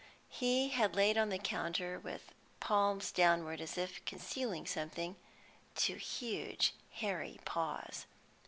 He had laid on the counter, with palms downward as if concealing something, two huge hairy paws.